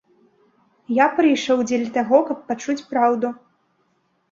Я прыйшоў дзеля таго, каб пачуць праўду.